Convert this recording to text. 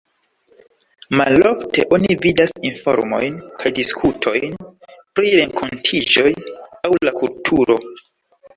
Malofte oni vidas informojn kaj diskutojn pri renkontiĝoj aŭ la kulturo.